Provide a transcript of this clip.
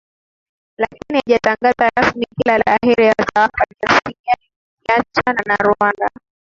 lakini haijatangaza rasmi kila la heri atawapa kiasi gani nikiachana na rwanda